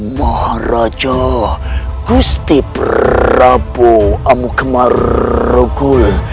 maharaja gusti prabu amuk marugul